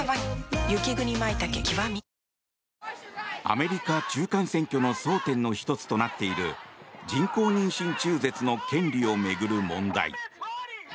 アメリカ中間選挙の争点の１つとなっている人工妊娠中絶の権利を巡る問題。